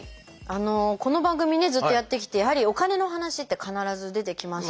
この番組ねずっとやってきてやはりお金の話って必ず出てきますし。